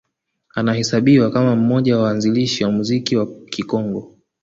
Anahesabiwa kama mmoja wa waanzilishi wa muziki wa Kikongo